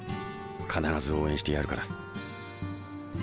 必ず応援してやるから。